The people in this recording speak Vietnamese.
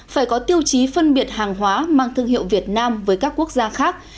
phải có tiêu chí phân biệt hàng hóa mang thương hiệu việt nam với các quốc gia khác